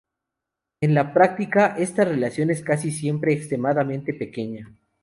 En la práctica, esta relación es casi siempre extremadamente pequeña.